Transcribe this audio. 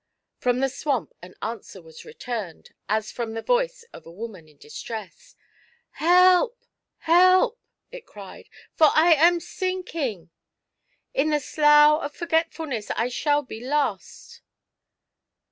From the swamp an answer was returned, as from the voice of a woman in distress. " Help ! help !" it cried, " for I am sinking ! In the ak)ugh of Forgetfulness I shall be lost."